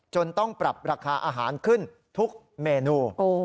ต้องปรับราคาอาหารขึ้นทุกเมนู